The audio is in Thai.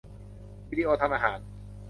วิดีโอทำอาหาร